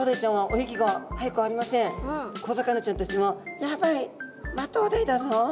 でも小魚ちゃんたちも「やばいマトウダイだぞ。